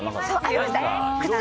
ありました。